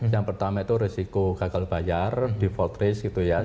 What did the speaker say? yang pertama itu risiko gagal bayar default risk gitu ya